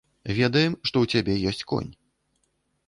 Ведаем, што ў цябе ёсць конь.